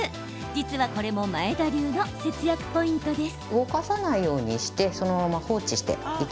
実は、これも前田流の節約ポイントです。